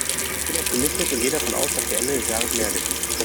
Ich bin optimistisch und gehe davon aus, dass wir Ende des Jahres mehr wissen.